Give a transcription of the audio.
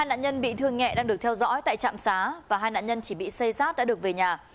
hai nạn nhân bị thương nhẹ đang được theo dõi tại trạm xá và hai nạn nhân chỉ bị xây xát đã được về nhà